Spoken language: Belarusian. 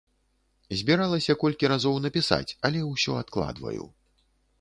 Збіралася колькі разоў напісаць, але ўсё адкладваю.